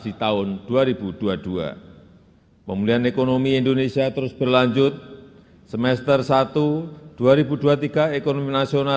di tahun dua ribu dua puluh dua pemulihan ekonomi indonesia terus berlanjut semester satu dua ribu dua puluh tiga ekonomi nasional